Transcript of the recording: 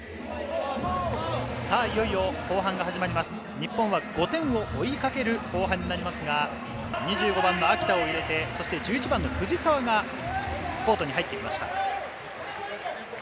日本は５点を追いかける後半になりますが、２５番の秋田を入れて１１番・藤澤がコートに入ってきました。